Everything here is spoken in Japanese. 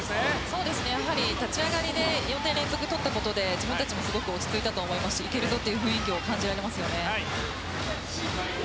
やはり立ち上がり４点連続で取ったことで自分たちもすごく落ち着いたと思うし行けるぞという雰囲気を感じられますね。